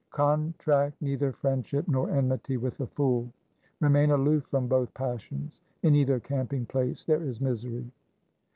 Contract neither friendship nor enmity with a fool. Remain aloof from both passions. In either camp ing place there is misery.